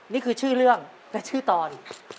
นี่คือชื่อเรื่องและชื่อตอน